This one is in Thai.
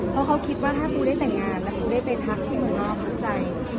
เพราะเขาคิดว่าถ้าปูได้แต่งงานแล้วปูได้ไปทักที่เมืองนอกหัวใจ